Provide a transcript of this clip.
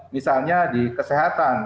misalnya di kesehatan